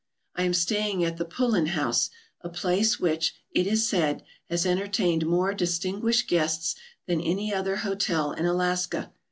I am staying at the Pullen House, a place which, it is said, has entertained more distinguished guests than any other hotel in Alaska.